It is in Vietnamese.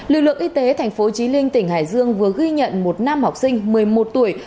lực lượng y tế tp hcm tỉnh hải dương vừa ghi nhận một nam học sinh một mươi một tuổi